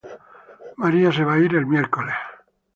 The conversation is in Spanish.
María se va a ir el miércoles.